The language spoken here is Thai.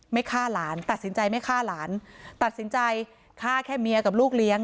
ฆ่าหลานตัดสินใจไม่ฆ่าหลานตัดสินใจฆ่าแค่เมียกับลูกเลี้ยง